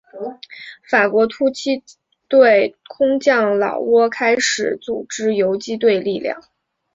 法国突击队空降老挝开始组织游击队力量。